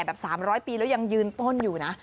แบบ๓๐๐ปีแล้วยังยืนป้นอยู่นะ